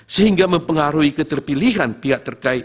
sehingga mempengaruhi keterpilihan pihak terkait